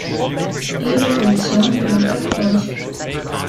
Ihre Funktion wird noch erforscht.